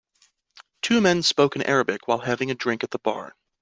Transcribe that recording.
Two men spoke in Arabic while having a drink at the bar.